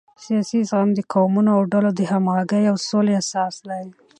سیاسي زغم د قومونو او ډلو د همغږۍ او سولې اساس دی